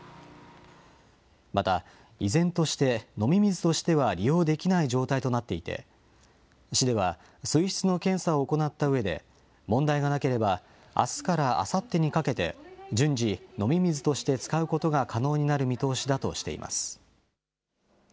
また、依然として飲み水としては利用できない状態となっていて、市では水質の検査を行ったうえで、問題がなければ、あすからあさってにかけて、順次、飲み水として使うことが可能になる見通しだとしています。